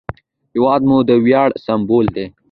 هېواد مو د ویاړ سمبول دی